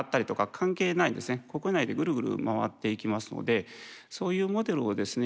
国内でぐるぐる回っていきますのでそういうモデルをですね